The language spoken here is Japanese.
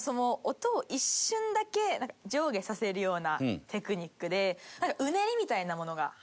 音を一瞬だけ上下させるようなテクニックでうねりみたいなものが発生するんですよ